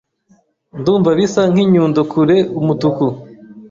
Ndumva bisa nkinyundo kure umutuku